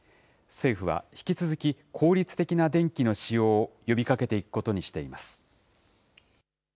政府は、引き続き効率的な電気の使用を呼びかけていくことにしています。